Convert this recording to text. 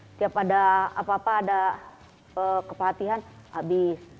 setiap ada apa apa ada kepatihan habis